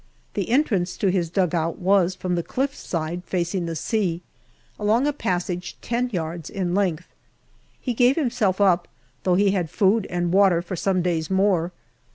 The entrance to his dugout was from the cliff side facing the sea, along a passage ten yards in length. He gave himself up, though he had food and water for some days more.